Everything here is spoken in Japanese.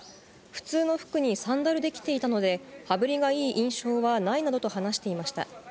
普通の服にサンダルできていたので、羽振りがいい印象はないなどと話していました。